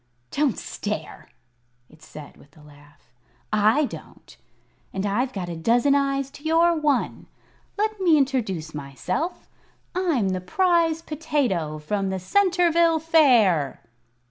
"Don't stare!" it said, with a laugh. "I don't, and I've got a dozen eyes to your one. Let me introduce myself. I'm the Prize Potato from the Centerville Fair."